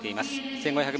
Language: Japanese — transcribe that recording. １５００